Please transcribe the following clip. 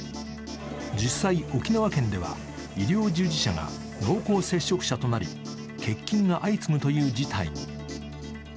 実際、沖縄県では医療従事者が濃厚接触者となり欠勤が相次ぐという事態に。